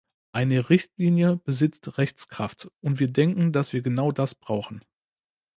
Eine Richtlinie besitzt Rechtskraft, und wir denken, dass wir genau das brauchen.